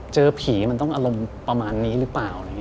เจอผีมันต้องอารมณ์ประมาณนี้หรือเปล่า